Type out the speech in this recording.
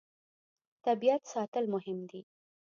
طبیعت ساتل مهم دي.